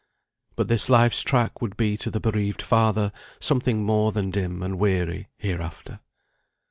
But this life's track would be to the bereaved father something more than dim and weary, hereafter.